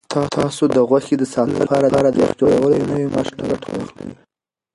تاسو د غوښې د ساتلو لپاره د یخ جوړولو له نویو ماشینونو ګټه واخلئ.